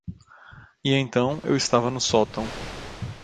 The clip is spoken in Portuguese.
E então eu estava no sótão.